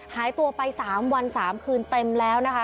หายตัวไป๓วัน๓คืนเต็มแล้วนะคะ